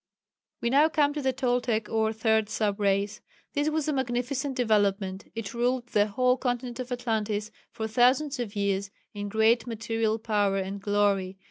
We now come to the Toltec or 3rd sub race. This was a magnificent development. It ruled the whole continent of Atlantis for thousands of years in great material power and glory.